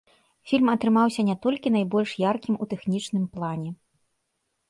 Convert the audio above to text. Фільм атрымаўся не толькі найбольш яркім у тэхнічным плане.